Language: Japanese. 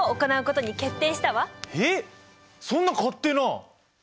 えっそんな勝手な！